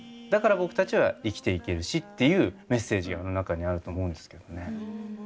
だから僕たちは生きていけるしっていうメッセージがあの中にあると思うんですけどね。